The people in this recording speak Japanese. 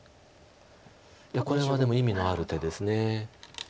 いやこれはでも意味のある手です。